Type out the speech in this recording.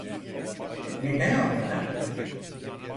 Neden orada?